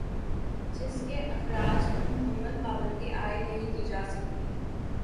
جس کے اخراج پر مکمل پابندی عائد نہیں کی جاسکتی